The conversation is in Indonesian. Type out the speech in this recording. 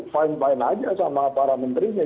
fine fine aja sama para menterinya